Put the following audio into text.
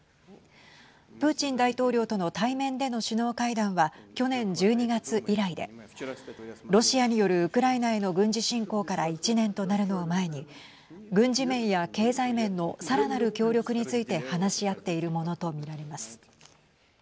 プーチン大統領との対面での首脳会談は去年１２月以来でロシアによるウクライナへの軍事侵攻から１年となるのを前に軍事面や経済面のさらなる協力について話し合っているものと見られます。